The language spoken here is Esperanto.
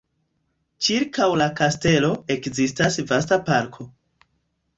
Ĉirkaŭ la kastelo ekzistas vasta parko.